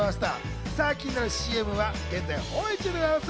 気になるＣＭは現在放映中でございます。